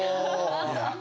いや